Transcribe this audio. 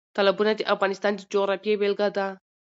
تالابونه د افغانستان د جغرافیې بېلګه ده.